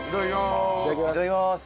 いただきます。